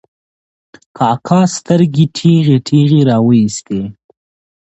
کاکا سترګې ټېغې ټېغې را وایستې.